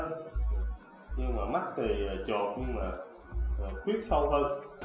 nhưng mà mắt thì trột nhưng mà khuyết sâu hơn